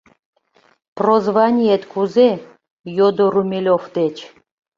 — Прозваниет кузе? — йодо Румелёв деч.